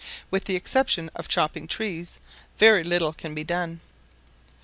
With the exception of chopping trees, very little can be done.